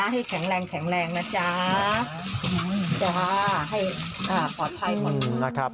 ให้แข็งแรงแข็งแรงนะจ๊ะจ้าให้ปลอดภัยก่อนนะครับ